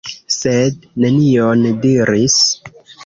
Sed nenion diris.